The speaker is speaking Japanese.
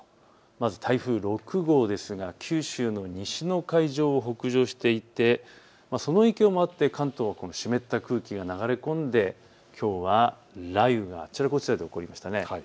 まず台風６号ですが九州の西の海上を北上していてその影響もあって関東にも湿った空気が流れ込んできょうは雷雨があちらこちらで起こりましたね。